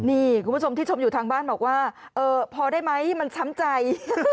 นี่คุณผู้ชมที่ชมอยู่ทางบ้านบอกว่าเออพอได้ไหมมันช้ำใจ